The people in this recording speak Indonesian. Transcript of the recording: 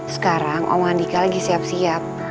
sekarang om andika lagi siap siap